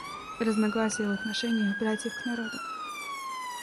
Разногласие в отношениях братьев к народу.